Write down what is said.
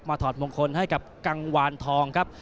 ถอดมงคลให้กับกังวานทองครับ